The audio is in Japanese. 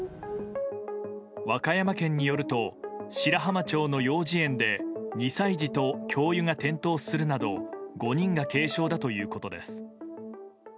和歌山県によると白浜町の幼稚園で２歳児と教諭が転倒するなど５人が軽傷だということです。